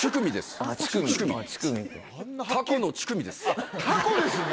あっタコですね。